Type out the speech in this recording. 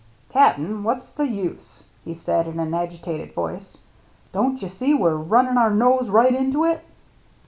" Cap'n, what's the use ?" he said in an agi tated voice. "Don't you see we're runnin' our nose right into it?